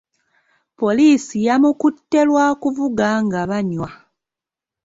Poliisi yamukutte lwa kuvuga nga bw’anywa.